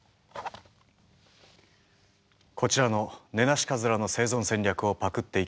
こちらのネナシカズラの生存戦略をパクって生きている方です。